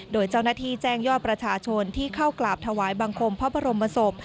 โดยเจ้าหน้าที่แจ้งยอดประชาชนที่เข้ากราบถวายบังคมพระบรมศพ